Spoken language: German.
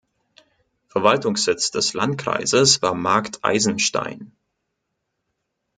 Verwaltungssitz des Landkreises war Markt Eisenstein.